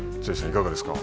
いかがですか？